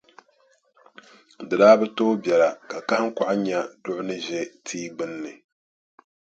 Di daa bi tooi biɛla ka kahiŋkɔɣu nya duɣu ni ʒe tia gbunni,